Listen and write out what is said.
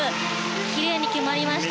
きれいに決まりました。